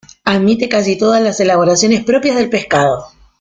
Admite casi todas las elaboraciones propias del pescado.